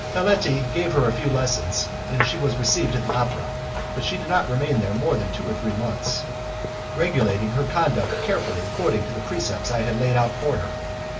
Baletti gave her a few lessons, and she was received at the opera; but she did not remain there more than two or three months, regulating her conduct carefully according to the precepts I had laid out for her.